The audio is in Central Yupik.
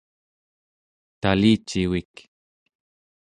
talicivik